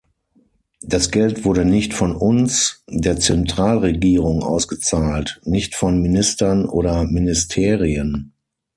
Das Geld wurde nicht von uns, der Zentralregierung ausgezahlt, nicht von Ministern oder Ministerien.